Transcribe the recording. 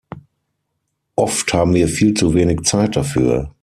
Oft haben wir viel zu wenig Zeit dafür.